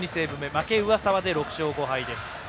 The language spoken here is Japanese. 負けは上沢で６勝５敗。